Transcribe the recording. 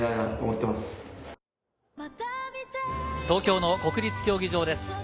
東京の国立競技場です。